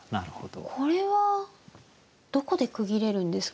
これはどこで区切れるんですか？